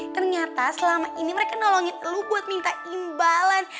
ternyata selama ini mereka nolongin lu buat minta imbalan